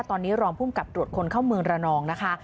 ตอนนี้รองภูมิกับตรวจคนเข้าเมืองระนองนะคะ